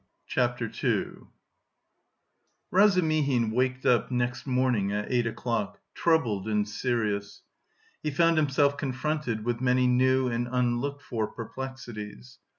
CHAPTER II Razumihin waked up next morning at eight o'clock, troubled and serious. He found himself confronted with many new and unlooked for perplexities.